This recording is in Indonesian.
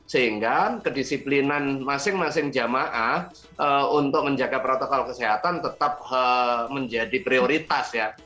sehingga kedisiplinan masing masing jamaah untuk menjaga protokol kesehatan tetap menjadi prioritas ya